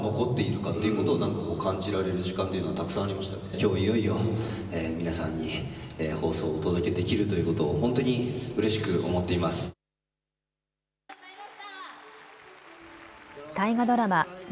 きょういよいよ皆さんに放送をお届けできること、本当にうれしく思っています。